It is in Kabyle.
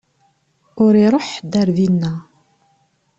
Ur iṛuḥ ḥedd ar dina.